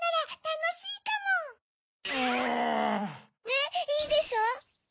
ねっいいでしょ？